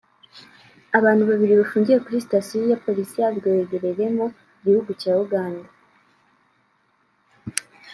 Abantu babiri bafungiye kuri sitasiyo ya polisi ya Bweyogereremu gihugu cya Uganda